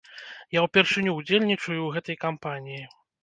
Я ўпершыню ўдзельнічаю ў гэтай кампаніі.